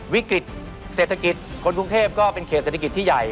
วิกฤตเศรษฐกิจคนกรุงเทพก็เป็นเขตเศรษฐกิจที่ใหญ่